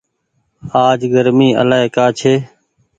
آج گرمي الآئي ڪآ ڇي۔